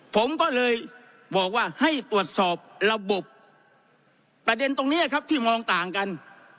ผมก็เลยบอกว่าให้ตรวจสอบระบบประเด็นตรงนี้ครับที่มองต่างกัน